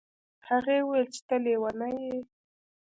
هغې وویل چې ته لیونی یې.